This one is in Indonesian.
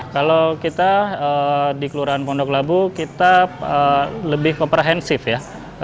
kalau kita di kelurahan pondok labu kita lebih komprehensif ya